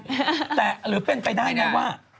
อุ๊ยแต่หรือเป็นไปได้นะว่า